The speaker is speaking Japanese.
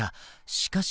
しかし。